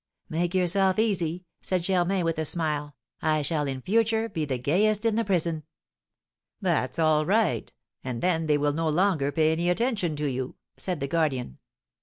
"Make yourself easy," said Germain, with a smile; "I shall in future be the gayest in the prison." "That's all right, and then they will no longer pay any attention to you," said the guardian.